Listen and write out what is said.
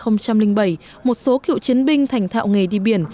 năm hai nghìn bảy một số cựu chiến binh thành thạo nghề đi biển